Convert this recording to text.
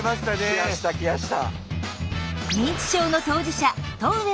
来やした来やした。